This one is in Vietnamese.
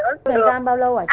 uống thời gian bao lâu hả chị